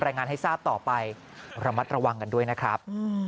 รายงานให้ทราบต่อไประมัดระวังกันด้วยนะครับ